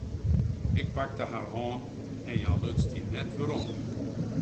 Ik pakte har hân en hja luts dy net werom.